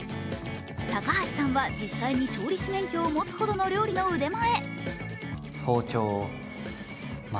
高橋さんは実際に調理師免許を持つほどの腕前。